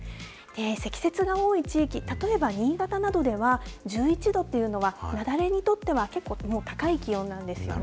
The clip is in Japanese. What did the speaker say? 積雪が多い地域、例えば新潟などでは、１１度っていうのは、雪崩にとっては結構高い気温なんですよね。